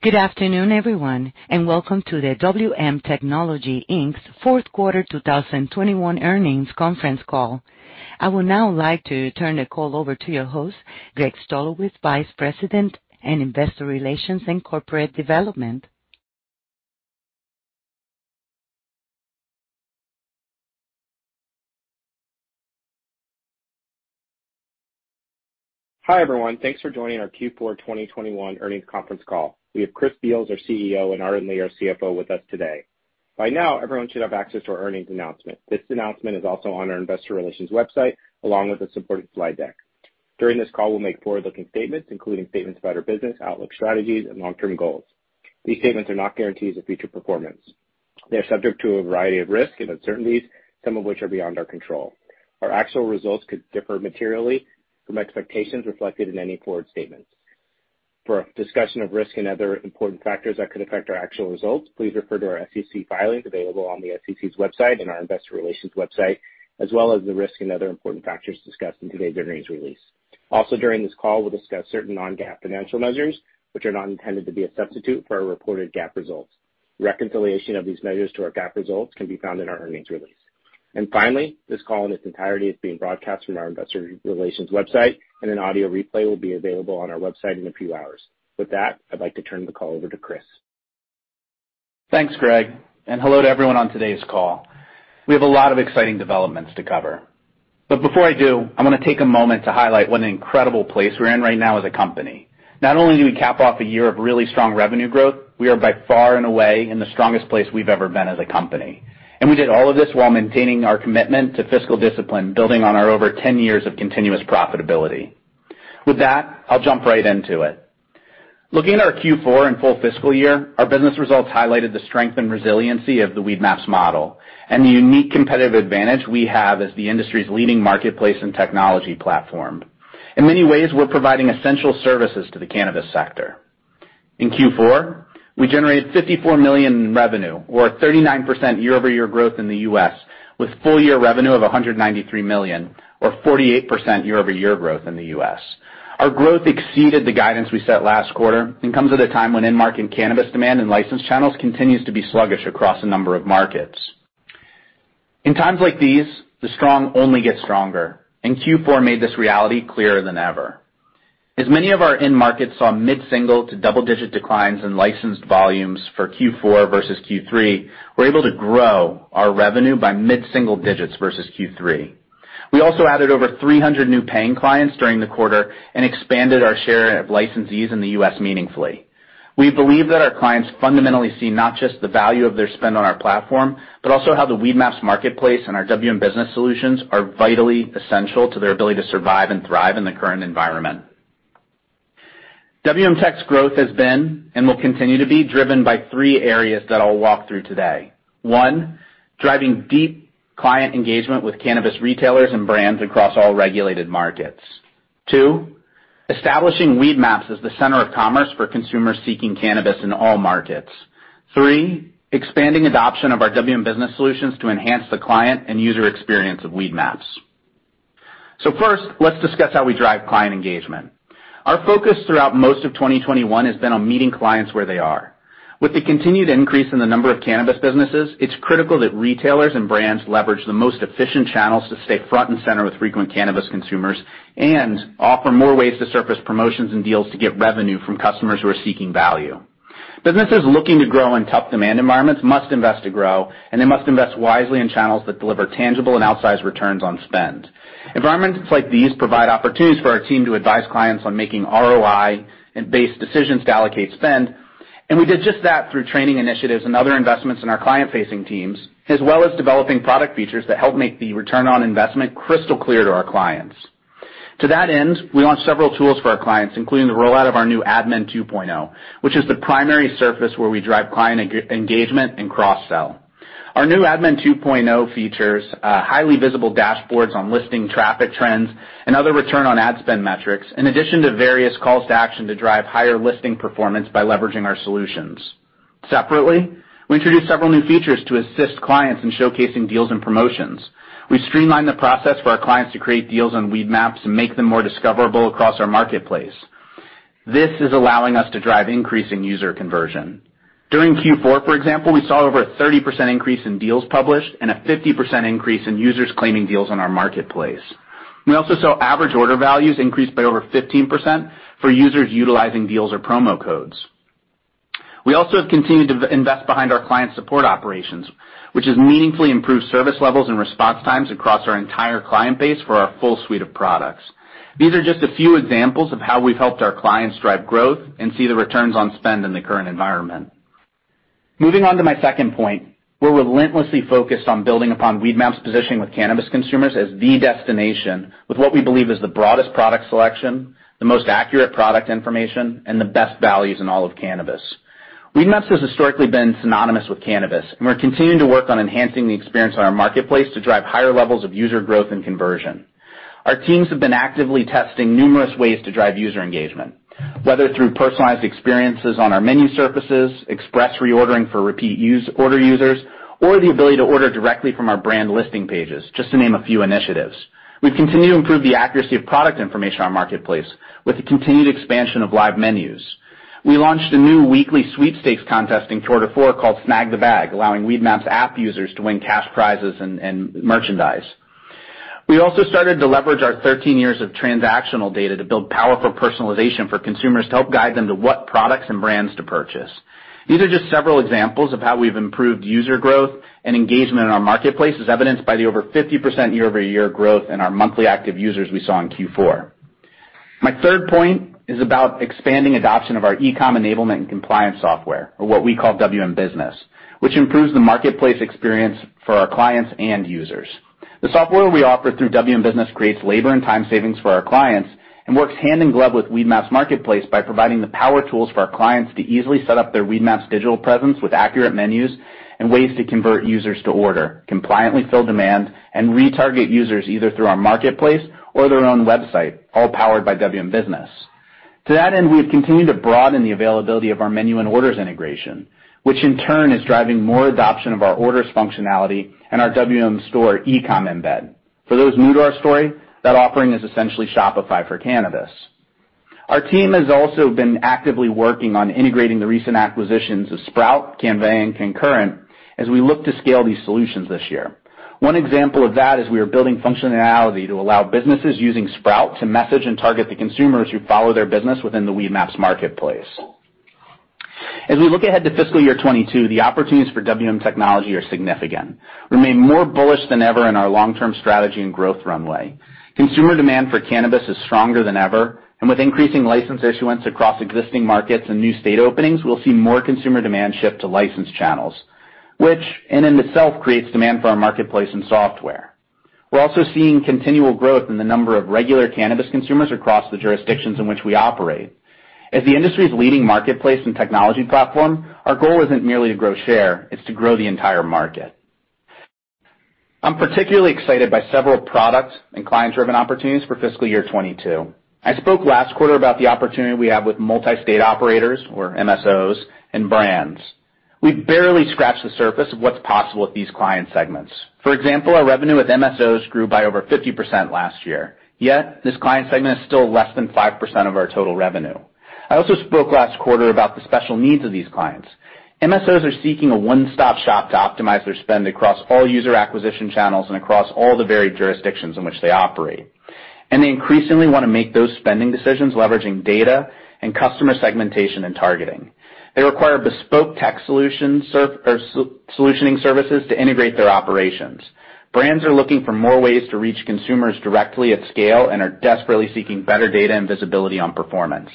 Good afternoon, everyone, and welcome to the WM Technology, Inc.'s fourth quarter 2021 earnings conference call. I would now like to turn the call over to your host, Greg Stolowitz, Vice President and Investor Relations and Corporate Development. Hi, everyone. Thanks for joining our Q4 2021 earnings conference call. We have Chris Beals, our CEO, and Arden Lee, our CFO, with us today. By now, everyone should have access to our earnings announcement. This announcement is also on our investor relations website, along with the supporting slide deck. During this call, we'll make forward-looking statements, including statements about our business, outlook, strategies, and long-term goals. These statements are not guarantees of future performance. They're subject to a variety of risks and uncertainties, some of which are beyond our control. Our actual results could differ materially from expectations reflected in any forward statements. For a discussion of risk and other important factors that could affect our actual results, please refer to our SEC filings available on the SEC's website and our investor relations website, as well as the risks and other important factors discussed in today's earnings release. Also, during this call, we'll discuss certain non-GAAP financial measures, which are not intended to be a substitute for our reported GAAP results. Reconciliation of these measures to our GAAP results can be found in our earnings release. Finally, this call in its entirety is being broadcast from our investor relations website, and an audio replay will be available on our website in a few hours. With that, I'd like to turn the call over to Chris. Thanks, Greg, and hello to everyone on today's call. We have a lot of exciting developments to cover. Before I do, I want to take a moment to highlight what an incredible place we're in right now as a company. Not only do we cap off a year of really strong revenue growth, we are by far and away in the strongest place we've ever been as a company. We did all of this while maintaining our commitment to fiscal discipline, building on our over 10 years of continuous profitability. With that, I'll jump right into it. Looking at our Q4 and full fiscal year, our business results highlighted the strength and resiliency of the Weedmaps model and the unique competitive advantage we have as the industry's leading marketplace and technology platform. In many ways, we're providing essential services to the cannabis sector. In Q4, we generated $54 million in revenue, or 39% year-over-year growth in the U.S., with full year revenue of $193 million, or 48% year-over-year growth in the U.S. Our growth exceeded the guidance we set last quarter and comes at a time when end market cannabis demand and licensed channels continues to be sluggish across a number of markets. In times like these, the strong only get stronger, and Q4 made this reality clearer than ever. As many of our end markets saw mid-single- to double-digit declines in licensed volumes for Q4 versus Q3, we're able to grow our revenue by mid-single digits versus Q3. We also added over 300 new paying clients during the quarter and expanded our share of licensees in the U.S. meaningfully. We believe that our clients fundamentally see not just the value of their spend on our platform, but also how the Weedmaps marketplace and our WM Business solutions are vitally essential to their ability to survive and thrive in the current environment. WM Technology's growth has been, and will continue to be driven by three areas that I'll walk through today. One, driving deep client engagement with cannabis retailers and brands across all regulated markets. Two, establishing Weedmaps as the center of commerce for consumers seeking cannabis in all markets. Three, expanding adoption of our WM Business solutions to enhance the client and user experience of Weedmaps. First, let's discuss how we drive client engagement. Our focus throughout most of 2021 has been on meeting clients where they are. With the continued increase in the number of cannabis businesses, it's critical that retailers and brands leverage the most efficient channels to stay front and center with frequent cannabis consumers and offer more ways to surface promotions and deals to get revenue from customers who are seeking value. Businesses looking to grow in tough demand environments must invest to grow, and they must invest wisely in channels that deliver tangible and outsized returns on spend. Environments like these provide opportunities for our team to advise clients on making ROI-based decisions to allocate spend. We did just that through training initiatives and other investments in our client-facing teams, as well as developing product features that help make the return on investment crystal clear to our clients. To that end, we launched several tools for our clients, including the rollout of our new Admin 2.0, which is the primary surface where we drive client engagement and cross-sell. Our new Admin 2.0 features highly visible dashboards on listing traffic trends and other return on ad spend metrics, in addition to various calls to action to drive higher listing performance by leveraging our solutions. Separately, we introduced several new features to assist clients in showcasing deals and promotions. We streamlined the process for our clients to create deals on Weedmaps and make them more discoverable across our marketplace. This is allowing us to drive increasing user conversion. During Q4, for example, we saw over a 30% increase in deals published and a 50% increase in users claiming deals on our marketplace. We also saw average order values increase by over 15% for users utilizing deals or promo codes. We also have continued to invest behind our client support operations, which has meaningfully improved service levels and response times across our entire client base for our full suite of products. These are just a few examples of how we've helped our clients drive growth and see the returns on spend in the current environment. Moving on to my second point, we're relentlessly focused on building upon Weedmaps' positioning with cannabis consumers as the destination with what we believe is the broadest product selection, the most accurate product information, and the best values in all of cannabis. Weedmaps has historically been synonymous with cannabis, and we're continuing to work on enhancing the experience on our marketplace to drive higher levels of user growth and conversion. Our teams have been actively testing numerous ways to drive user engagement, whether through personalized experiences on our menu surfaces, express reordering for repeat use-order users, or the ability to order directly from our brand listing pages, just to name a few initiatives. We've continued to improve the accuracy of product information on our marketplace with the continued expansion of Live Menus. We launched a new weekly sweepstakes contest in quarter four called Snag the Bag, allowing Weedmaps app users to win cash prizes and merchandise. We also started to leverage our 13 years of transactional data to build powerful personalization for consumers to help guide them to what products and brands to purchase. These are just several examples of how we've improved user growth and engagement in our marketplace, as evidenced by the over 50% year-over-year growth in our monthly active users we saw in Q4. My third point is about expanding adoption of our e-com enablement and compliance software, or what we call WM Business, which improves the marketplace experience for our clients and users. The software we offer through WM Business creates labor and time savings for our clients and works hand in glove with Weedmaps marketplace by providing the power tools for our clients to easily set up their Weedmaps digital presence with accurate menus and ways to convert users to order, compliantly fill demand, and retarget users either through our marketplace or their own website, all powered by WM Business. To that end, we have continued to broaden the availability of our menu and orders integration, which in turn is driving more adoption of our orders functionality and our WM Store e-com embed. For those new to our story, that offering is essentially Shopify for cannabis. Our team has also been actively working on integrating the recent acquisitions of Sprout, Cannveya, and CannCurrent as we look to scale these solutions this year. One example of that is we are building functionality to allow businesses using Sprout to message and target the consumers who follow their business within the Weedmaps marketplace. As we look ahead to fiscal year 2022, the opportunities for WM Technology are significant. We remain more bullish than ever in our long-term strategy and growth runway. Consumer demand for cannabis is stronger than ever, and with increasing license issuance across existing markets and new state openings, we'll see more consumer demand shift to licensed channels, which in and of itself creates demand for our marketplace and software. We're also seeing continual growth in the number of regular cannabis consumers across the jurisdictions in which we operate. As the industry's leading marketplace and technology platform, our goal isn't merely to grow share, it's to grow the entire market. I'm particularly excited by several product and client-driven opportunities for fiscal year 2022. I spoke last quarter about the opportunity we have with multi-state operators, or MSOs, and brands. We've barely scratched the surface of what's possible with these client segments. For example, our revenue with MSOs grew by over 50% last year, yet this client segment is still less than 5% of our total revenue. I also spoke last quarter about the special needs of these clients. MSOs are seeking a one-stop shop to optimize their spend across all user acquisition channels and across all the varied jurisdictions in which they operate. They increasingly want to make those spending decisions leveraging data and customer segmentation and targeting. They require bespoke tech solutions or solutioning services to integrate their operations. Brands are looking for more ways to reach consumers directly at scale and are desperately seeking better data and visibility on performance.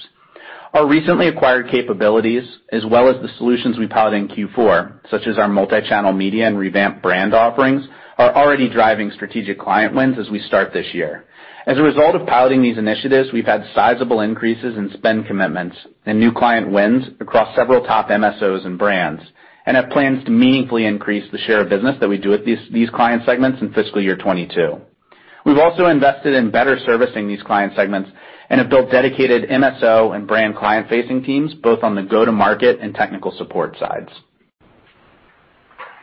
Our recently acquired capabilities, as well as the solutions we piloted in Q4, such as our multi-channel media and revamped brand offerings, are already driving strategic client wins as we start this year. As a result of piloting these initiatives, we've had sizable increases in spend commitments and new client wins across several top MSOs and brands, and have plans to meaningfully increase the share of business that we do with these client segments in fiscal year 2022. We've also invested in better servicing these client segments and have built dedicated MSO and brand client-facing teams, both on the go-to-market and technical support sides.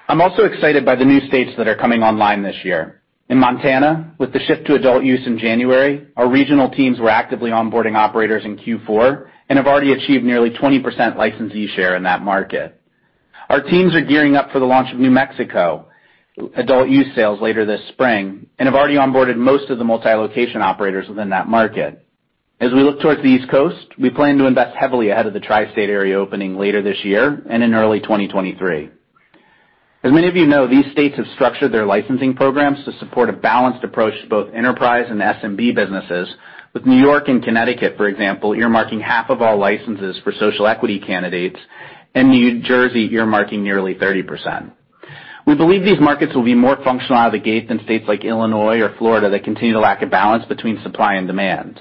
I'm also excited by the new states that are coming online this year. In Montana, with the shift to adult use in January, our regional teams were actively onboarding operators in Q4 and have already achieved nearly 20% licensee share in that market. Our teams are gearing up for the launch of New Mexico adult use sales later this spring and have already onboarded most of the multi-location operators within that market. As we look towards the East Coast, we plan to invest heavily ahead of the tri-state area opening later this year and in early 2023. As many of you know, these states have structured their licensing programs to support a balanced approach to both enterprise and SMB businesses, with New York and Connecticut, for example, earmarking half of all licenses for social equity candidates, and New Jersey earmarking nearly 30%. We believe these markets will be more functional out of the gate than states like Illinois or Florida that continue to lack a balance between supply and demand.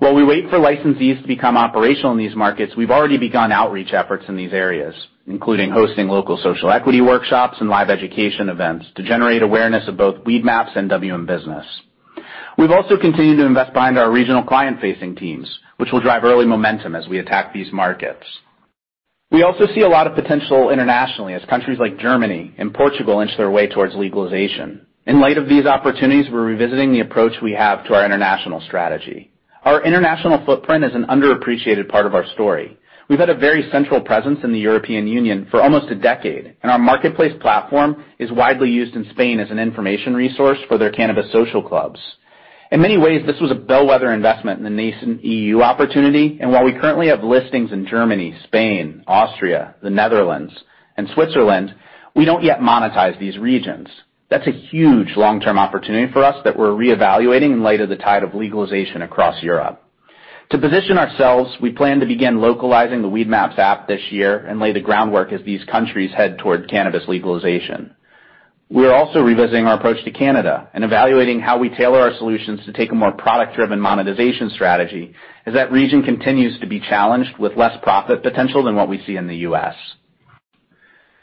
While we wait for licensees to become operational in these markets, we've already begun outreach efforts in these areas, including hosting local social equity workshops and live education events to generate awareness of both Weedmaps and WM Business. We've also continued to invest behind our regional client-facing teams, which will drive early momentum as we attack these markets. We also see a lot of potential internationally as countries like Germany and Portugal inch their way towards legalization. In light of these opportunities, we're revisiting the approach we have to our international strategy. Our international footprint is an underappreciated part of our story. We've had a very central presence in the European Union for almost a decade, and our marketplace platform is widely used in Spain as an information resource for their cannabis social clubs. In many ways, this was a bellwether investment in the nascent EU opportunity, and while we currently have listings in Germany, Spain, Austria, the Netherlands, and Switzerland, we don't yet monetize these regions. That's a huge long-term opportunity for us that we're reevaluating in light of the tide of legalization across Europe. To position ourselves, we plan to begin localizing the Weedmaps app this year and lay the groundwork as these countries head toward cannabis legalization. We're also revisiting our approach to Canada and evaluating how we tailor our solutions to take a more product-driven monetization strategy as that region continues to be challenged with less profit potential than what we see in the U.S.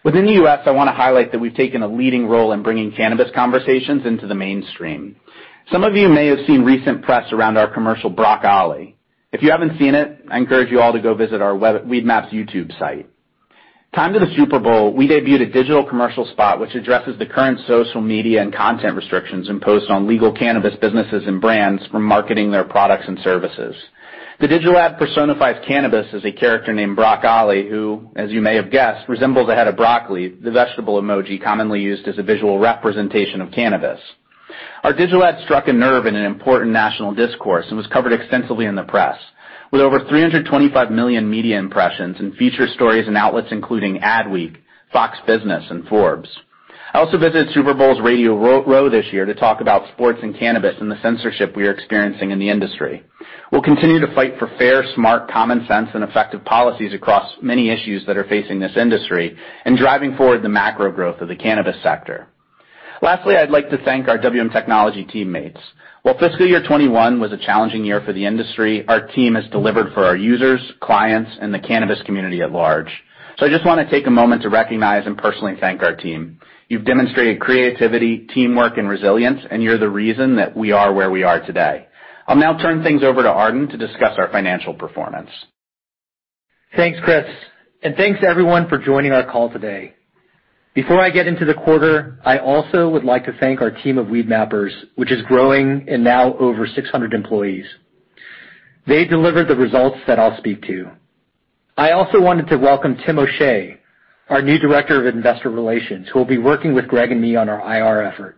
Within the U.S., I want to highlight that we've taken a leading role in bringing cannabis conversations into the mainstream. Some of you may have seen recent press around our commercial, Brock Ollie. If you haven't seen it, I encourage you all to go visit our Weedmaps YouTube site. In time for the Super Bowl, we debuted a digital commercial spot which addresses the current social media and content restrictions imposed on legal cannabis businesses and brands for marketing their products and services. The digital ad personifies cannabis as a character named [Broc Ali], who, as you may have guessed, resembles a head of broccoli, the vegetable emoji commonly used as a visual representation of cannabis. Our digital ad struck a nerve in an important national discourse and was covered extensively in the press with over 325 million media impressions and feature stories in outlets including Adweek, Fox Business, and Forbes. I also visited Super Bowl's Radio Row this year to talk about sports and cannabis and the censorship we are experiencing in the industry. We'll continue to fight for fair, smart, common sense, and effective policies across many issues that are facing this industry and driving forward the macro growth of the cannabis sector. Lastly, I'd like to thank our WM Technology teammates. While fiscal year 2021 was a challenging year for the industry, our team has delivered for our users, clients, and the cannabis community at large. I just want to take a moment to recognize and personally thank our team. You've demonstrated creativity, teamwork, and resilience, and you're the reason that we are where we are today. I'll now turn things over to Arden to discuss our financial performance. Thanks, Chris, and thanks everyone for joining our call today. Before I get into the quarter, I also would like to thank our team of Weedmappers, which is growing and now over 600 employees. They delivered the results that I'll speak to. I also wanted to welcome Tim O'Shea, our new Director of Investor Relations, who will be working with Greg and me on our IR effort.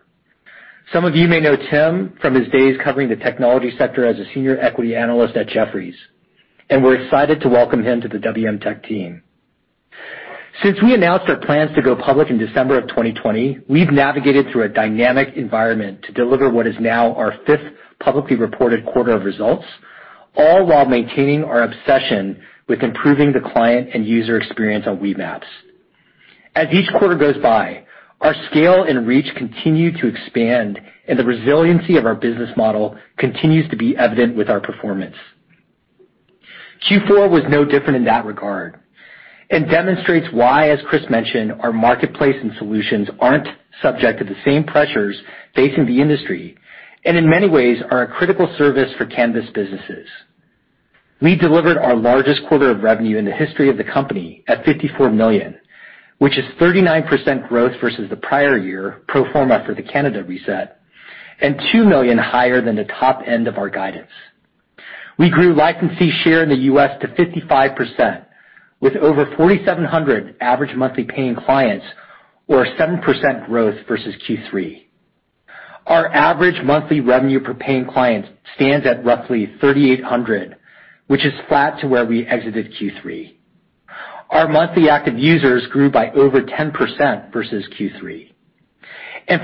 Some of you may know Tim from his days covering the technology sector as a senior equity analyst at Jefferies, and we're excited to welcome him to the WM Technology team. Since we announced our plans to go public in December 2020, we've navigated through a dynamic environment to deliver what is now our fifth publicly reported quarter of results, all while maintaining our obsession with improving the client and user experience on Weedmaps. As each quarter goes by, our scale and reach continue to expand, and the resiliency of our business model continues to be evident with our performance. Q4 was no different in that regard and demonstrates why, as Chris mentioned, our marketplace and solutions aren't subject to the same pressures facing the industry, and in many ways are a critical service for cannabis businesses. We delivered our largest quarter of revenue in the history of the company at $54 million, which is 39% growth versus the prior year, pro forma for the Canada reset, and $2 million higher than the top end of our guidance. We grew licensee share in the U.S. to 55% with over 4,700 average monthly paying clients or 7% growth versus Q3. Our average monthly revenue per paying client stands at roughly $3,800, which is flat to where we exited Q3. Our monthly active users grew by over 10% versus Q3.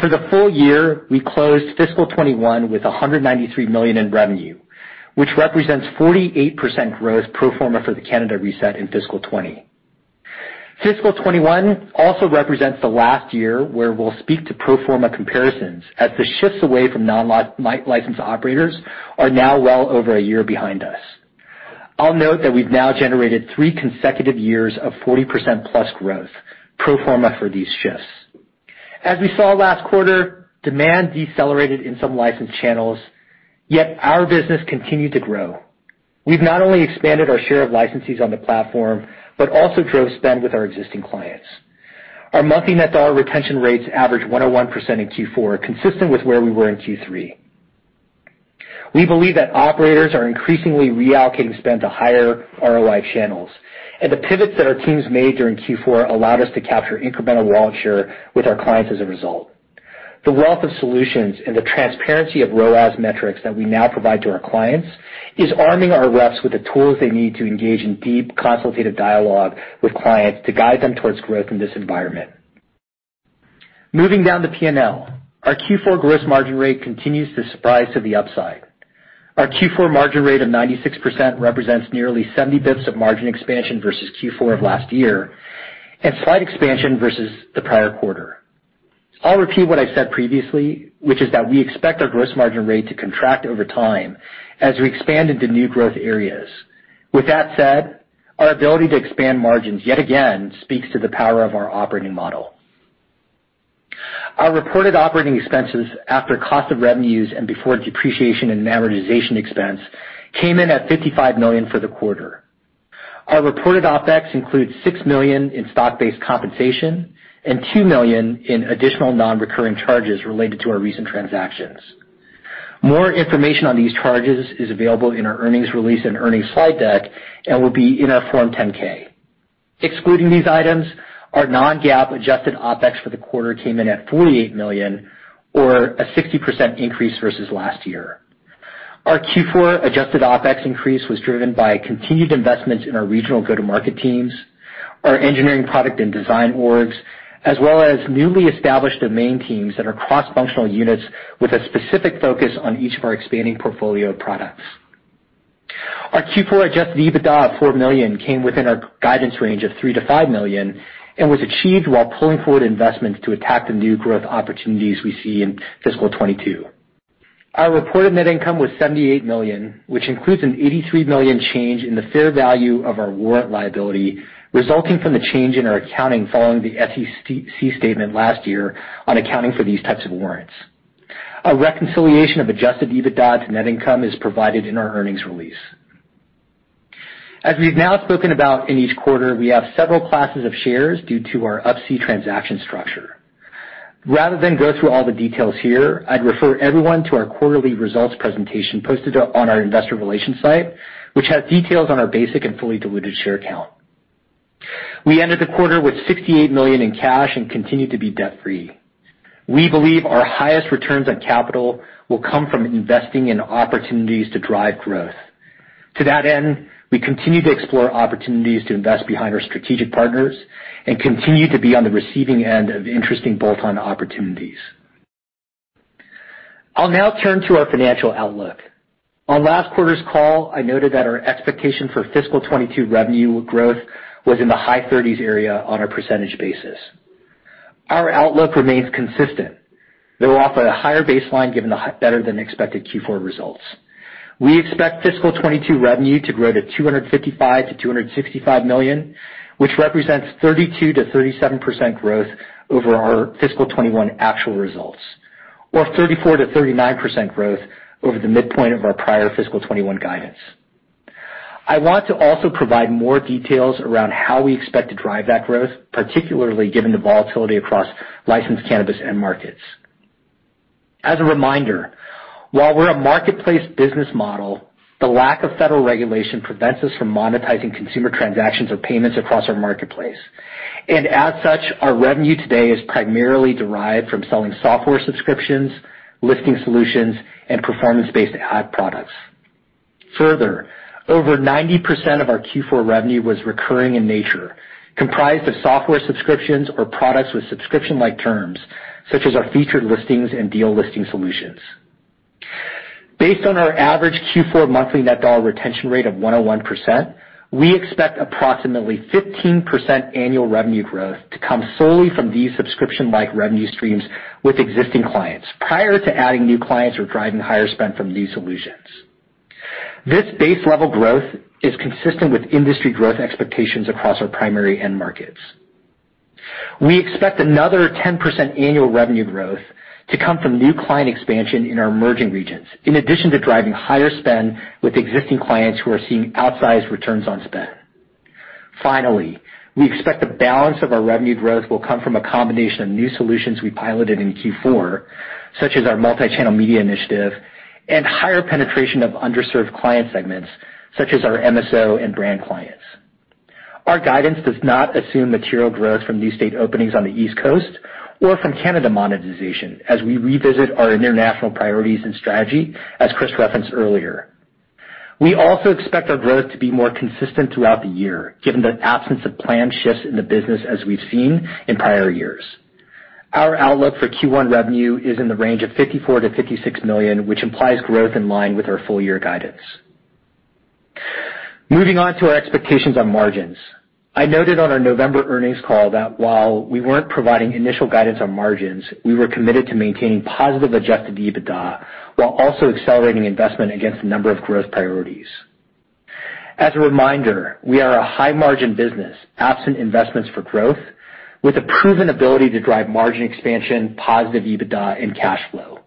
For the full year, we closed fiscal 2021 with $193 million in revenue, which represents 48% growth pro forma for the Canada reset in fiscal 2020. Fiscal 2021 also represents the last year where we'll speak to pro forma comparisons as the shifts away from non-licensed operators are now well over a year behind us. I'll note that we've now generated three consecutive years of 40%+ growth, pro forma for these shifts. As we saw last quarter, demand decelerated in some licensed channels, yet our business continued to grow. We've not only expanded our share of licensees on the platform, but also drove spend with our existing clients. Our monthly Net Dollar Retention rates average 101% in Q4, consistent with where we were in Q3. We believe that operators are increasingly reallocating spend to higher ROI channels, and the pivots that our teams made during Q4 allowed us to capture incremental wallet share with our clients as a result. The wealth of solutions and the transparency of ROAS metrics that we now provide to our clients is arming our reps with the tools they need to engage in deep consultative dialogue with clients to guide them towards growth in this environment. Moving down to P&L. Our Q4 gross margin rate continues to surprise to the upside. Our Q4 margin rate of 96% represents nearly 70 basis points of margin expansion versus Q4 of last year and slight expansion versus the prior quarter. I'll repeat what I said previously, which is that we expect our gross margin rate to contract over time as we expand into new growth areas. With that said, our ability to expand margins yet again speaks to the power of our operating model. Our reported operating expenses after cost of revenues and before depreciation and amortization expense came in at $55 million for the quarter. Our reported OpEx includes $6 million in stock-based compensation and $2 million in additional non-recurring charges related to our recent transactions. More information on these charges is available in our earnings release and earnings slide deck and will be in our Form 10-K. Excluding these items, our non-GAAP adjusted OpEx for the quarter came in at $48 million or a 60% increase versus last year. Our Q4 adjusted OpEx increase was driven by continued investments in our regional go-to-market teams, our engineering product and design orgs, as well as newly established domain teams that are cross-functional units with a specific focus on each of our expanding portfolio of products. Our Q4 adjusted EBITDA of $4 million came within our guidance range of $3 million-$5 million and was achieved while pulling forward investments to attack the new growth opportunities we see in fiscal 2022. Our reported net income was $78 million, which includes an $83 million change in the fair value of our warrant liability resulting from the change in our accounting following the SEC statement last year on accounting for these types of warrants. A reconciliation of adjusted EBITDA to net income is provided in our earnings release. As we've now spoken about in each quarter, we have several classes of shares due to our Up-C transaction structure. Rather than go through all the details here, I'd refer everyone to our quarterly results presentation posted on our investor relations site, which has details on our basic and fully diluted share count. We ended the quarter with $68 million in cash and continue to be debt-free. We believe our highest returns on capital will come from investing in opportunities to drive growth. To that end, we continue to explore opportunities to invest behind our strategic partners and continue to be on the receiving end of interesting bolt-on opportunities. I'll now turn to our financial outlook. On last quarter's call, I noted that our expectation for fiscal 2022 revenue growth was in the high 30s area on a percentage basis. Our outlook remains consistent, though off a higher baseline given the better-than-expected Q4 results. We expect fiscal 2022 revenue to grow to $255 million-$265 million, which represents 32%-37% growth over our fiscal 2021 actual results, or 34%-39% growth over the midpoint of our prior fiscal 2021 guidance. I want to also provide more details around how we expect to drive that growth, particularly given the volatility across licensed cannabis end markets. As a reminder, while we're a marketplace business model, the lack of federal regulation prevents us from monetizing consumer transactions or payments across our marketplace. As such, our revenue today is primarily derived from selling software subscriptions, listing solutions, and performance-based ad products. Further, over 90% of our Q4 revenue was recurring in nature, comprised of software subscriptions or products with subscription-like terms, such as our Featured Listings and Deal Listings solutions. Based on our average Q4 monthly Net Dollar Retention rate of 101%, we expect approximately 15% annual revenue growth to come solely from these subscription-like revenue streams with existing clients, prior to adding new clients or driving higher spend from these solutions. This base-level growth is consistent with industry growth expectations across our primary end markets. We expect another 10% annual revenue growth to come from new client expansion in our emerging regions, in addition to driving higher spend with existing clients who are seeing outsized returns on spend. Finally, we expect the balance of our revenue growth will come from a combination of new solutions we piloted in Q4, such as our multi-channel media initiative and higher penetration of underserved client segments, such as our MSO and brand clients. Our guidance does not assume material growth from new state openings on the East Coast or from Canada monetization as we revisit our international priorities and strategy, as Chris referenced earlier. We also expect our growth to be more consistent throughout the year, given the absence of planned shifts in the business as we've seen in prior years. Our outlook for Q1 revenue is in the range of $54 million-$56 million, which implies growth in line with our full year guidance. Moving on to our expectations on margins. I noted on our November earnings call that while we weren't providing initial guidance on margins, we were committed to maintaining positive adjusted EBITDA while also accelerating investment against a number of growth priorities. As a reminder, we are a high-margin business, absent investments for growth, with a proven ability to drive margin expansion, positive EBITDA, and cash flow.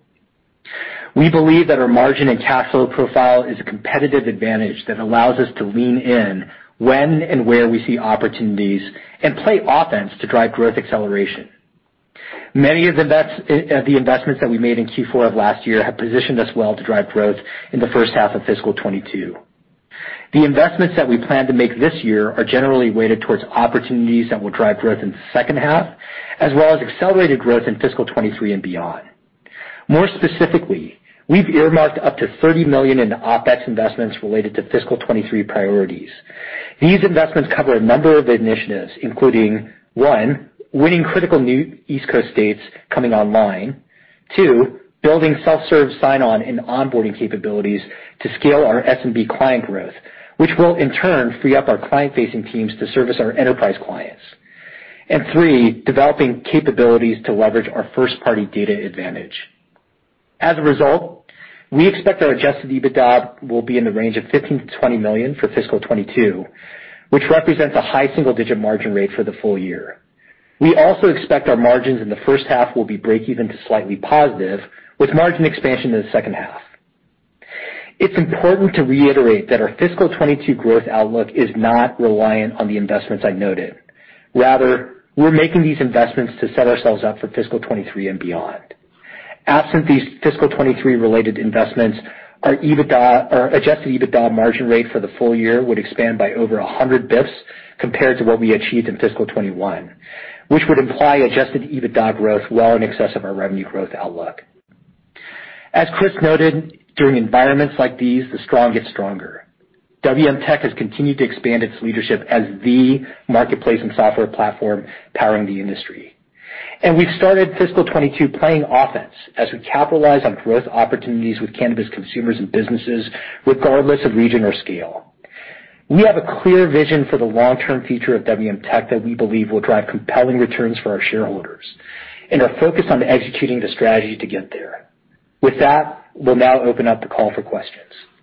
We believe that our margin and cash flow profile is a competitive advantage that allows us to lean in when and where we see opportunities and play offense to drive growth acceleration. Many of the investments that we made in Q4 of last year have positioned us well to drive growth in the first half of fiscal 2022. The investments that we plan to make this year are generally weighted towards opportunities that will drive growth in the second half, as well as accelerated growth in fiscal 2023 and beyond. More specifically, we've earmarked up to $30 million in OpEx investments related to fiscal 2023 priorities. These investments cover a number of initiatives, including one, winning critical new East Coast states coming online. Two, building self-serve sign-on and onboarding capabilities to scale our SMB client growth, which will in turn free up our client-facing teams to service our enterprise clients. Three, developing capabilities to leverage our first-party data advantage. As a result, we expect our adjusted EBITDA will be in the range of $15 million-$20 million for fiscal 2022, which represents a high single-digit margin rate for the full year. We also expect our margins in the first half will be breakeven to slightly positive, with margin expansion in the second half. It's important to reiterate that our fiscal 2022 growth outlook is not reliant on the investments I noted. Rather, we're making these investments to set ourselves up for fiscal 2023 and beyond. Absent these fiscal 2023-related investments, our adjusted EBITDA margin rate for the full year would expand by over 100 bps compared to what we achieved in fiscal 2021, which would imply adjusted EBITDA growth well in excess of our revenue growth outlook. As Chris noted, during environments like these, the strong get stronger. WM Technology has continued to expand its leadership as the marketplace and software platform powering the industry. We've started fiscal 2022 playing offense as we capitalize on growth opportunities with cannabis consumers and businesses, regardless of region or scale. We have a clear vision for the long-term future of WM Technology that we believe will drive compelling returns for our shareholders and are focused on executing the strategy to get there. With that, we'll now open up the call for questions. Thank you.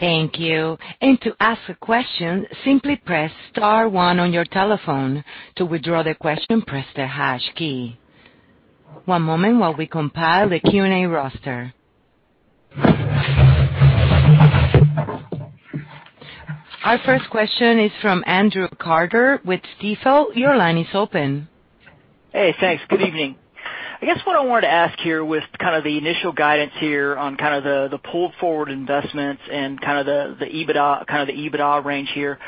To ask a question, simply press star-one on your telephone. To withdraw the question, press the hash key. One moment while we compile the Q&A roster. Our first question is from Andrew Carter with Stifel. Your line is open. Hey, thanks. Good evening. I guess what I wanted to ask here with kind of the initial guidance here on kind of the pulled forward investments and kind of the EBITDA range here,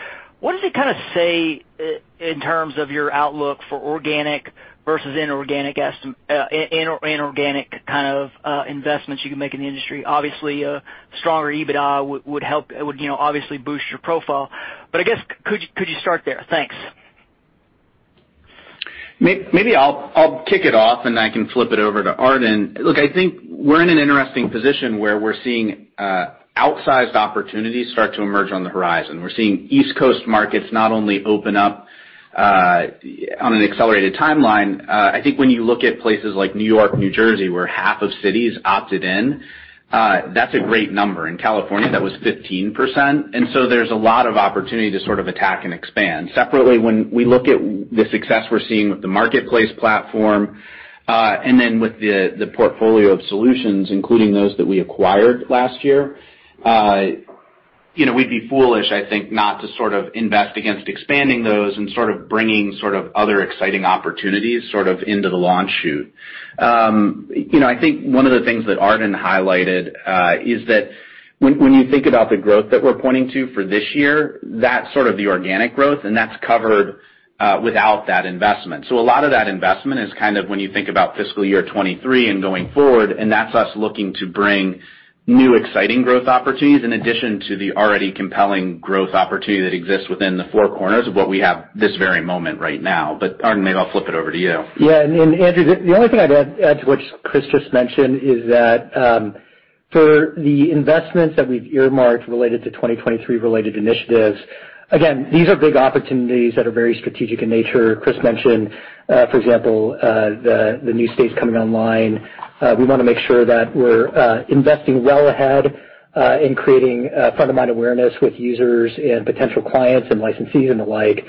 what does it kinda say in terms of your outlook for organic versus inorganic kind of investments you can make in the industry? Obviously, a stronger EBITDA would help, it would, you know, obviously boost your profile, but I guess could you start there? Thanks. Maybe I'll kick it off, and I can flip it over to Arden. Look, I think we're in an interesting position where we're seeing outsized opportunities start to emerge on the horizon. We're seeing East Coast markets not only open up on an accelerated timeline. I think when you look at places like New York, New Jersey, where half of cities opted in, that's a great number. In California, that was 15%. There's a lot of opportunity to sort of attack and expand. Separately, when we look at the success we're seeing with the marketplace platform, and then with the portfolio of solutions, including those that we acquired last year, you know, we'd be foolish, I think, not to sort of invest against expanding those and sort of bringing sort of other exciting opportunities sort of into the launch chute. You know, I think one of the things that Arden highlighted is that when you think about the growth that we're pointing to for this year, that's sort of the organic growth, and that's covered without that investment. A lot of that investment is kind of when you think about fiscal year 2023 and going forward, and that's us looking to bring new exciting growth opportunities in addition to the already compelling growth opportunity that exists within the four corners of what we have this very moment right now. Arden, maybe I'll flip it over to you. Andrew, the only thing I'd add to what Chris just mentioned is that, for the investments that we've earmarked related to 2023 related initiatives, again, these are big opportunities that are very strategic in nature. Chris mentioned, for example, the new states coming online. We want to make sure that we're investing well ahead in creating fundamental awareness with users and potential clients and licensees and the like.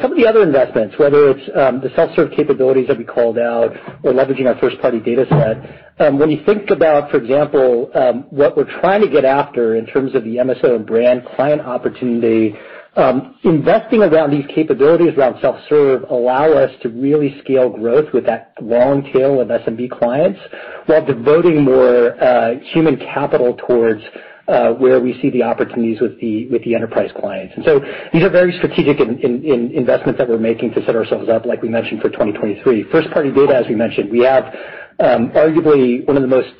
Some of the other investments, whether it's the self-serve capabilities that we called out or leveraging our first-party data set, when you think about, for example, what we're trying to get after in terms of the MSO and brand client opportunity, investing around these capabilities around self-serve allow us to really scale growth with that long tail of SMB clients while devoting more human capital towards where we see the opportunities with the enterprise clients. These are very strategic investments that we're making to set ourselves up, like we mentioned, for 2023. First-party data, as we mentioned, we have arguably one of the most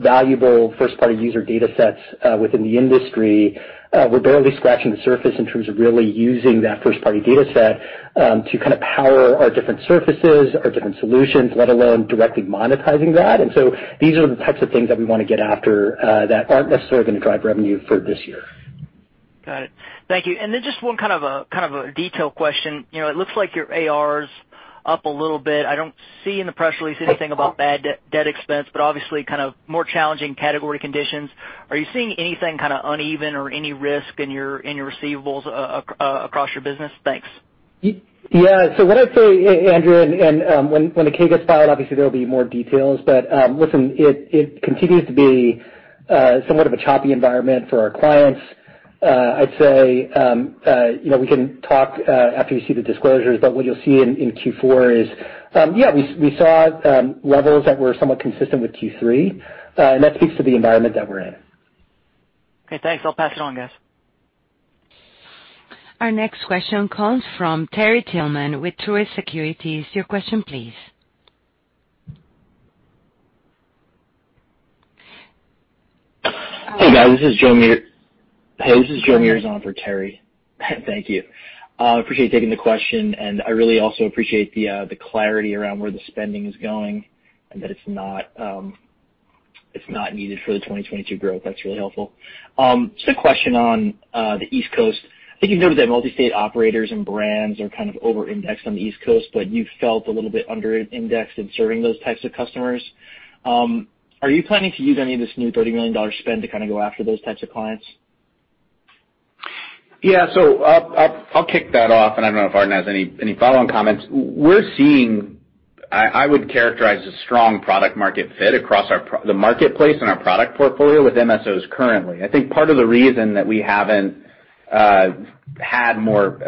valuable first-party user datasets within the industry. We're barely scratching the surface in terms of really using that first party dataset to kind of power our different surfaces, our different solutions, let alone directly monetizing that. These are the types of things that we want to get after that aren't necessarily going to drive revenue for this year. Got it. Thank you. Just one kind of a detail question. You know, it looks like your AR's up a little bit. I don't see in the press release anything about bad debt expense, but obviously kind of more challenging category conditions. Are you seeing anything kinda uneven or any risk in your receivables across your business? Thanks. Yeah. What I'd say, Andrew, and when the K gets filed, obviously there'll be more details. Listen, it continues to be somewhat of a choppy environment for our clients. I'd say, you know, we can talk after you see the disclosures, but what you'll see in Q4 is we saw levels that were somewhat consistent with Q3, and that speaks to the environment that we're in. Okay, thanks. I'll pass it on, guys. Our next question comes from Terry Tillman with Truist Securities. Your question please. Hey, this is Joe Mierzwa for Terry. Thank you. Appreciate you taking the question, and I really also appreciate the clarity around where the spending is going and that it's not needed for the 2022 growth. That's really helpful. Just a question on the East Coast. I think you've noted that multi-state operators and brands are kind of over-indexed on the East Coast, but you felt a little bit under-indexed in serving those types of customers. Are you planning to use any of this new $30 million spend to kinda go after those types of clients? Yeah. I'll kick that off, and I don't know if Arden has any follow-on comments. We're seeing. I would characterize a strong product market fit across our product, the marketplace, and our product portfolio with MSOs currently. I think part of the reason that we haven't had more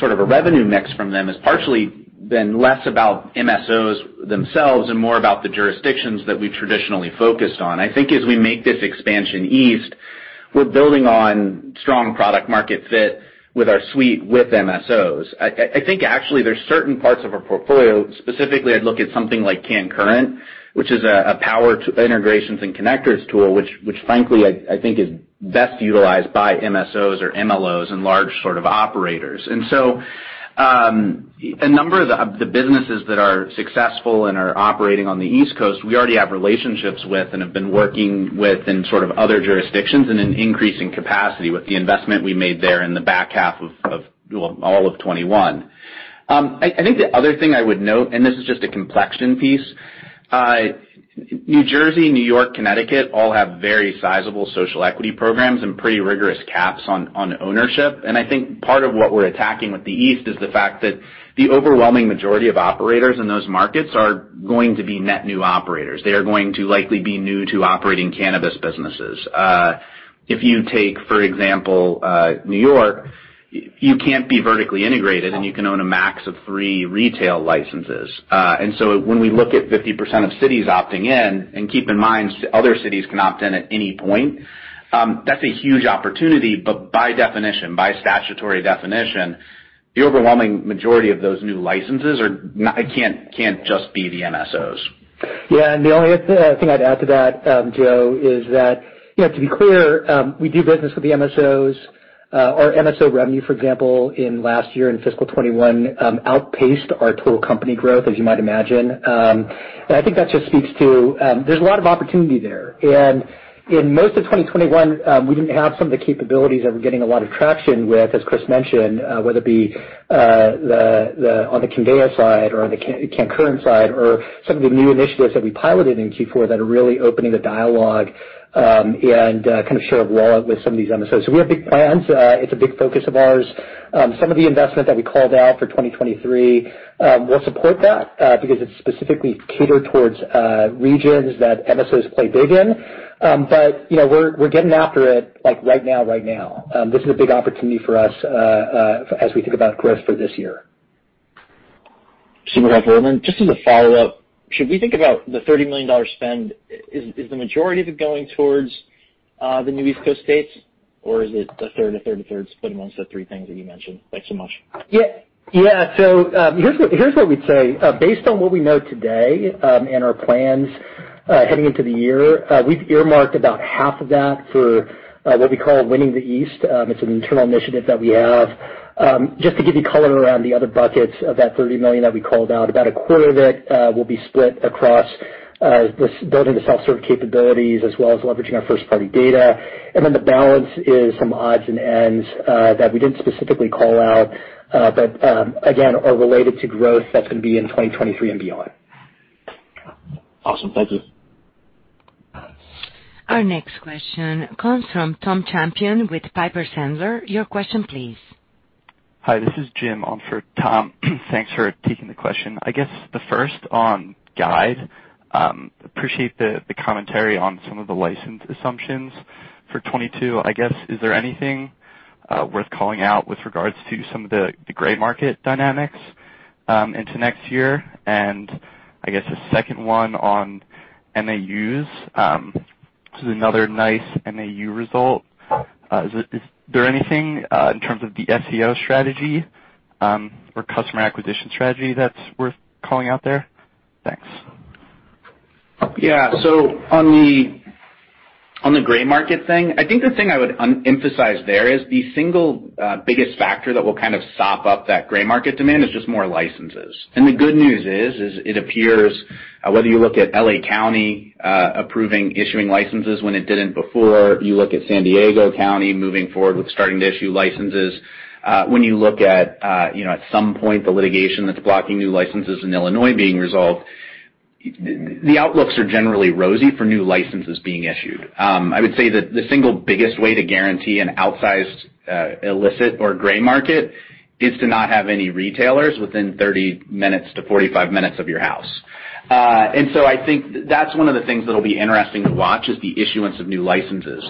sort of a revenue mix from them is partially been less about MSOs themselves and more about the jurisdictions that we've traditionally focused on. I think as we make this expansion east, we're building on strong product market fit with our suite with MSOs. I think actually there's certain parts of our portfolio. Specifically, I'd look at something like CannCurrent, which is a power integrations and connectors tool, which frankly I think is best utilized by MSOs or MLOs and large sort of operators. A number of the businesses that are successful and are operating on the East Coast, we already have relationships with and have been working with in sort of other jurisdictions in an increasing capacity with the investment we made there in the back half of well, all of 2021. I think the other thing I would note, this is just a complexion piece, New Jersey, New York, Connecticut all have very sizable social equity programs and pretty rigorous caps on ownership. I think part of what we're attacking with the East is the fact that the overwhelming majority of operators in those markets are going to be net new operators. They are going to likely be new to operating cannabis businesses. If you take, for example, New York, you can't be vertically integrated, and you can own a max of three retail licenses. When we look at 50% of cities opting in, and keep in mind other cities can opt in at any point, that's a huge opportunity. By definition, by statutory definition, the overwhelming majority of those new licenses can't just be the MSOs. Yeah. The only other thing I'd add to that, Joe, is that, you know, to be clear, we do business with the MSOs, our MSO revenue, for example, in last year in fiscal 2021, outpaced our total company growth, as you might imagine. I think that just speaks to, there's a lot of opportunity there. In most of 2021, we didn't have some of the capabilities that we're getting a lot of traction with, as Chris mentioned, whether it be the Cannveya side or on the CannCurrent side or some of the new initiatives that we piloted in Q4 that are really opening the dialogue, and kind of share of wallet with some of these MSOs. So we have big plans. It's a big focus of ours. Some of the investment that we called out for 2023 will support that, because it's specifically catered towards regions that MSOs play big in. You know, we're getting after it, like, right now. This is a big opportunity for us, as we think about growth for this year. Super helpful. Just as a follow-up, should we think about the $30 million spend? Is the majority of it going towards the new East Coast states, or is it a third split amongst the three things that you mentioned? Thanks so much. Yeah. Here's what we'd say. Based on what we know today, and our plans, heading into the year, we've earmarked about half of that for what we call Winning the East. It's an internal initiative that we have. Just to give you color around the other buckets of that $30 million that we called out. About a quarter of it will be split across this building the self-serve capabilities as well as leveraging our first-party data. Then the balance is some odds and ends that we didn't specifically call out, but again, are related to growth that's going to be in 2023 and beyond. Awesome. Thank you. Our next question comes from Tom Champion with Piper Sandler. Your question please. Hi, this is Jim on for Tom. Thanks for taking the question. I guess the first on guide. Appreciate the commentary on some of the license assumptions for 2022. I guess, is there anything worth calling out with regards to some of the gray market dynamics into next year? I guess the second one on MAUs. This is another nice MAU result. Is there anything in terms of the SEO strategy or customer acquisition strategy that's worth calling out there? Thanks. Yeah. On the gray market thing, I think the thing I would emphasize there is the single biggest factor that will kind of sop up that gray market demand is just more licenses. The good news is it appears whether you look at L.A. County approving issuing licenses when it didn't before, you look at San Diego County moving forward with starting to issue licenses, when you look at some point the litigation that's blocking new licenses in Illinois being resolved, the outlooks are generally rosy for new licenses being issued. I would say that the single biggest way to guarantee an outsized illicit or gray market is to not have any retailers within 30 minutes to 45 minutes of your house. I think that's one of the things that'll be interesting to watch is the issuance of new licenses.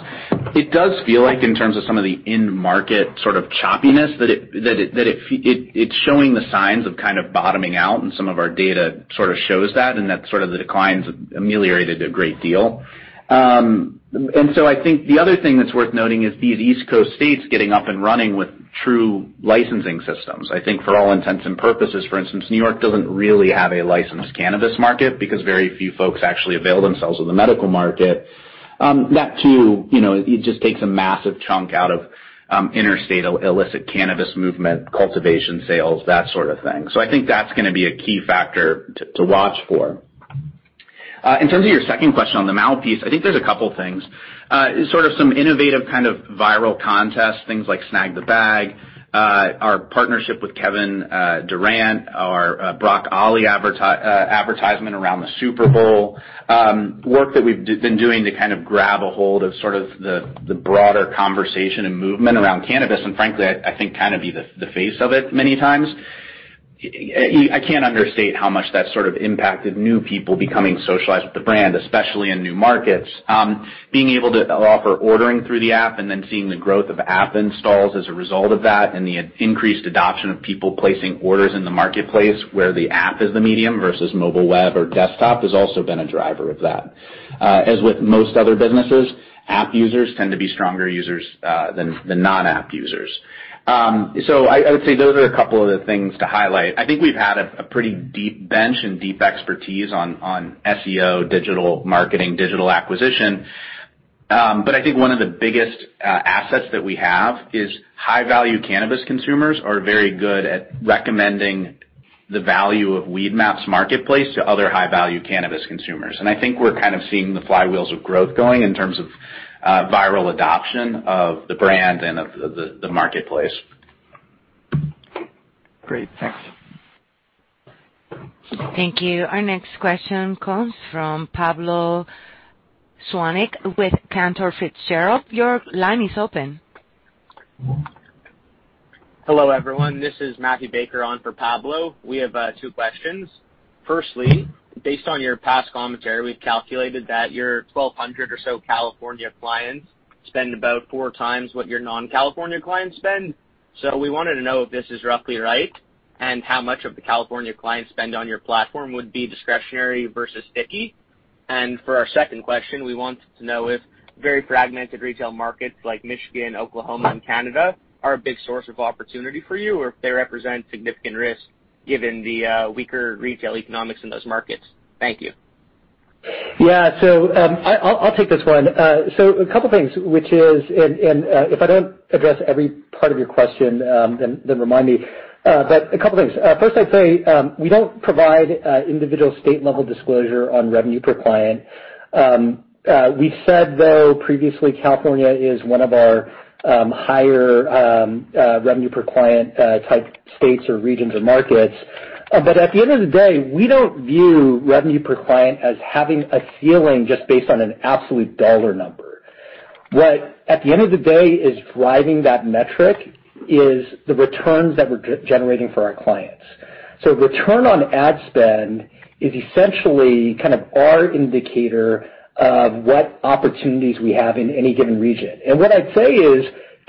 It does feel like in terms of some of the end market sort of choppiness, it's showing the signs of kind of bottoming out and some of our data sort of shows that, and that sort of the declines ameliorated a great deal. I think the other thing that's worth noting is these East Coast states getting up and running with true licensing systems. I think for all intents and purposes, for instance, New York doesn't really have a licensed cannabis market because very few folks actually avail themselves of the medical market. That too, you know, it just takes a massive chunk out of interstate illicit cannabis movement, cultivation, sales, that sort of thing. I think that's going to be a key factor to watch for. In terms of your second question on the mouthpiece, I think there's a couple things. Sort of some innovative kind of viral contests, things like Snag the Bag, our partnership with Kevin Durant, our Brock Ollie advertisement around the Super Bowl, work that we've been doing to kind of grab a hold of sort of the broader conversation and movement around cannabis, and frankly, I think kind of be the face of it many times. I can't understate how much that sort of impacted new people becoming socialized with the brand, especially in new markets. Being able to offer ordering through the app and then seeing the growth of app installs as a result of that and the increased adoption of people placing orders in the marketplace where the app is the medium versus mobile web or desktop has also been a driver of that. As with most other businesses, app users tend to be stronger users than non-app users. I would say those are a couple other things to highlight. I think we've had a pretty deep bench and deep expertise on SEO, digital marketing, digital acquisition. I think one of the biggest assets that we have is high-value cannabis consumers are very good at recommending the value of Weedmaps marketplace to other high-value cannabis consumers. I think we're kind of seeing the flywheels of growth going in terms of viral adoption of the brand and of the marketplace. Great. Thanks. Thank you. Our next question comes from Pablo Zuanic with Cantor Fitzgerald. Your line is open. Hello, everyone. This is [Matthew Baker] on for Pablo. We have two questions. Firstly, based on your past commentary, we've calculated that your 1,200 or so California clients spend about 4x what your non-California clients spend. We wanted to know if this is roughly right and how much of the California clients spend on your platform would be discretionary versus sticky. For our second question, we wanted to know if very fragmented retail markets like Michigan, Oklahoma, and Canada are a big source of opportunity for you, or if they represent significant risk given the weaker retail economics in those markets. Thank you. I'll take this one. A couple of things. If I don't address every part of your question, remind me. A couple of things. First, I'd say, we don't provide individual state-level disclosure on revenue per client. We said, though, previously, California is one of our higher revenue per client type states or regions or markets. At the end of the day, we don't view revenue per client as having a ceiling just based on an absolute dollar number. What at the end of the day is driving that metric is the returns that we're generating for our clients. Return on ad spend is essentially kind of our indicator of what opportunities we have in any given region. What I'd say is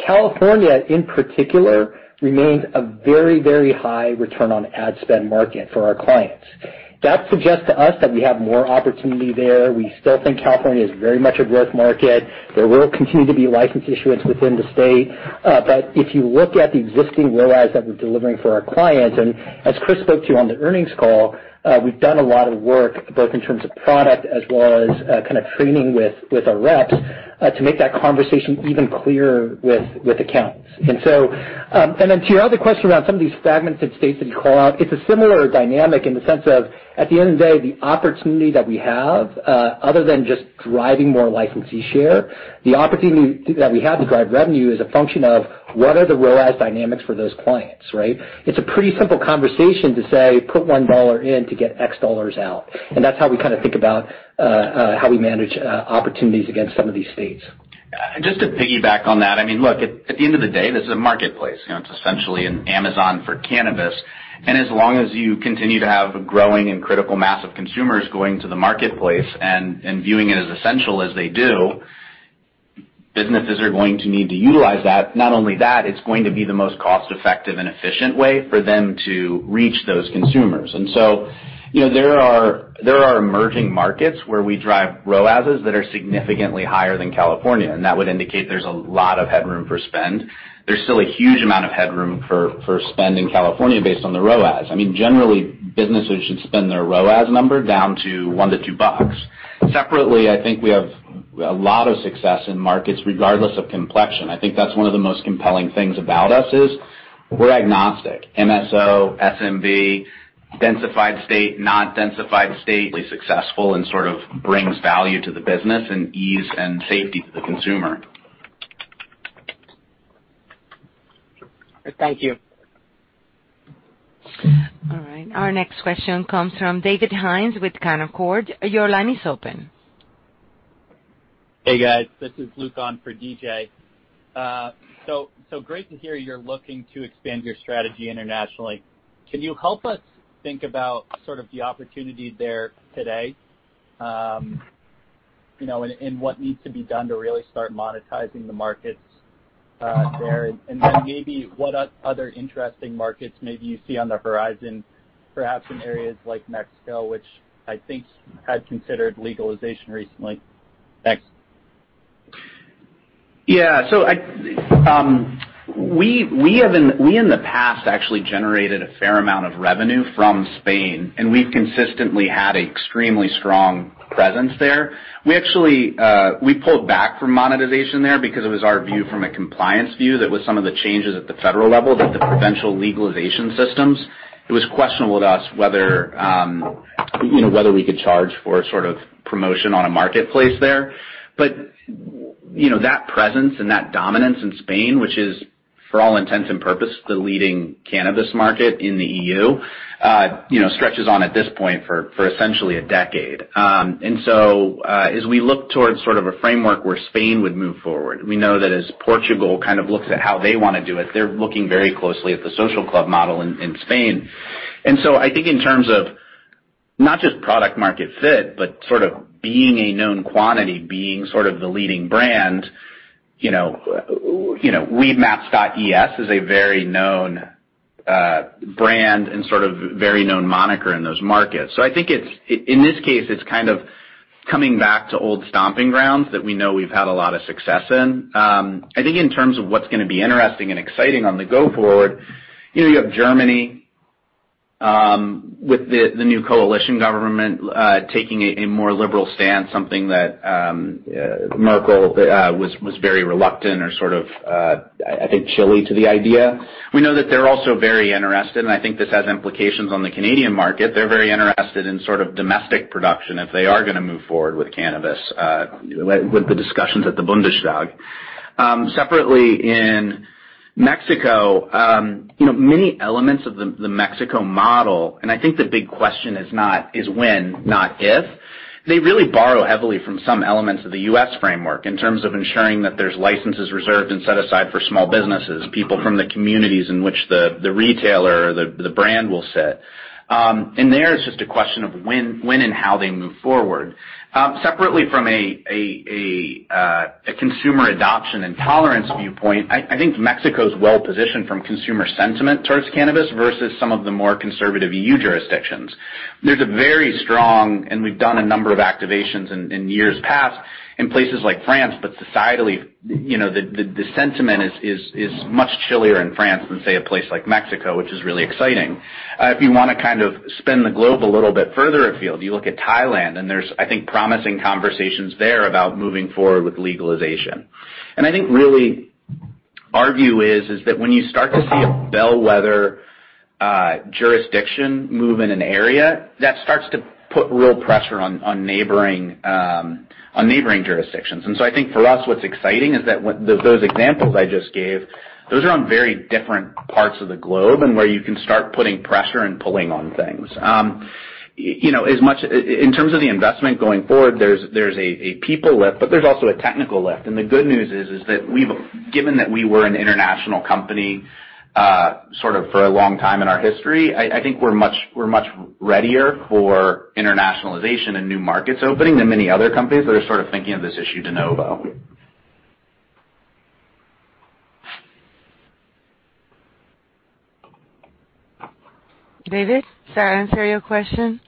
California, in particular, remains a very, very high return on ad spend market for our clients. That suggests to us that we have more opportunity there. We still think California is very much a growth market. There will continue to be license issuance within the state. But if you look at the existing ROAS that we're delivering for our clients, and as Chris spoke to on the earnings call, we've done a lot of work, both in terms of product as well as kind of training with our reps, to make that conversation even clearer with accounts. To your other question about some of these fragmented states that you call out, it's a similar dynamic in the sense of, at the end of the day, the opportunity that we have, other than just driving more licensee share, the opportunity that we have to drive revenue is a function of what are the ROAS dynamics for those clients, right? It's a pretty simple conversation to say, put $1 in to get X dollars out. That's how we kind of think about how we manage opportunities against some of these states. Just to piggyback on that, I mean, look, at the end of the day, this is a marketplace. You know, it's essentially an Amazon for cannabis. As long as you continue to have a growing and critical mass of consumers going to the marketplace and viewing it as essential as they do, businesses are going to need to utilize that. Not only that, it's going to be the most cost-effective and efficient way for them to reach those consumers. You know, there are emerging markets where we drive ROASs that are significantly higher than California, and that would indicate there's a lot of headroom for spend. There's still a huge amount of headroom for spend in California based on the ROAS. I mean, generally, businesses should spend their ROAS number down to $1-$2. Separately, I think we have a lot of success in markets regardless of complexion. I think that's one of the most compelling things about us is we're agnostic. MSO, SMB, densified state, not densified state, successful and sort of brings value to the business and ease and safety to the consumer. Thank you. All right. Our next question comes from David Hynes with Canaccord Genuity. Your line is open. Hey, guys. This is Luke on for DJ. So great to hear you're looking to expand your strategy internationally. Can you help us think about sort of the opportunity there today, you know, and what needs to be done to really start monetizing the markets there? And then maybe what other interesting markets maybe you see on the horizon, perhaps in areas like Mexico, which I think had considered legalization recently? Thanks. Yeah. We have in the past actually generated a fair amount of revenue from Spain, and we've consistently had extremely strong presence there. We actually pulled back from monetization there because it was our view from a compliance view that with some of the changes at the federal level with the provincial legalization systems, it was questionable to us whether, you know, whether we could charge for sort of promotion on a marketplace there. You know, that presence and that dominance in Spain, which is for all intents and purposes, the leading cannabis market in the EU, you know, stretches on at this point for essentially a decade. As we look towards sort of a framework where Spain would move forward, we know that as Portugal kind of looks at how they want to do it, they're looking very closely at the social club model in Spain. I think in terms of not just product market fit, but sort of being a known quantity, being sort of the leading brand, you know, weedmaps.es is a very known brand and sort of very known moniker in those markets. I think in this case, it's kind of coming back to old stomping grounds that we know we've had a lot of success in. I think in terms of what's going to be interesting and exciting on the go-forward, you know, you have Germany with the new coalition government taking a more liberal stance, something that Merkel was very reluctant or sort of, I think chilly to the idea. We know that they're also very interested, and I think this has implications on the Canadian market. They're very interested in sort of domestic production if they are going to move forward with cannabis with the discussions at the Bundestag. Separately in Mexico, you know, many elements of the Mexico model, and I think the big question it's when, not if, they really borrow heavily from some elements of the U.S. framework in terms of ensuring that there's licenses reserved and set aside for small businesses, people from the communities in which the retailer or the brand will sit. There, it's just a question of when and how they move forward. Separately from a consumer adoption and tolerance viewpoint, I think Mexico is well-positioned from consumer sentiment towards cannabis versus some of the more conservative EU jurisdictions. There's a very strong, and we've done a number of activations in years past in places like France, but societally, you know, the sentiment is much chillier in France than, say, a place like Mexico, which is really exciting. If you want to kind of spin the globe a little bit further afield, you look at Thailand, and there's, I think, promising conversations there about moving forward with legalization. I think really our view is that when you start to see a bellwether jurisdiction move in an area, that starts to put real pressure on neighboring jurisdictions. I think for us, what's exciting is that those examples I just gave, those are on very different parts of the globe and where you can start putting pressure and pulling on things. You know, in terms of the investment going forward, there's a people lift, but there's also a technical lift. The good news is that, given that we were an international company, sort of for a long time in our history, I think we're much readier for internationalization and new markets opening than many other companies that are sort of thinking of this issue de novo. Does that answer your question?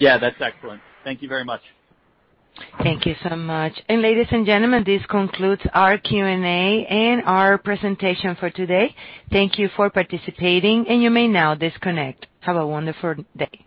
Yeah, that's excellent. Thank you very much. Thank you so much. Ladies and gentlemen, this concludes our Q&A and our presentation for today. Thank you for participating, and you may now disconnect. Have a wonderful day.